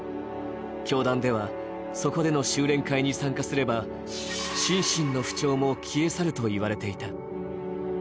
教団では、そこでの修練界に参加すれば心身の不調も消え去ると言われていた。